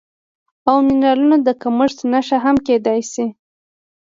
او منرالونو د کمښت نښه هم کیدی شي